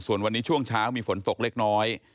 ส่วนวันนี้ช่วงเช้ามีฝนตกเล็กน้อย